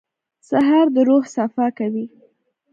سهار د روح صفا کوي.